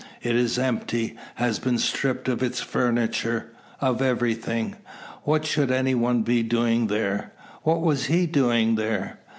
It is empty; has been stripped of its furniture, of everything. What should any one be doing there? What is he doing there?